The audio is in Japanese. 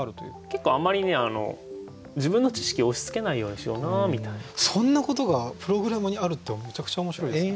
結構あんまりねそんなことがプログラムにあるってめちゃくちゃ面白いですよね。